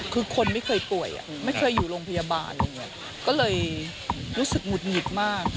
คือคนไม่เคยป่วยไม่เคยอยู่โรงพยาบาลอะไรอย่างนี้ก็เลยรู้สึกหงุดหงิดมาก